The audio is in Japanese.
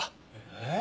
えっ？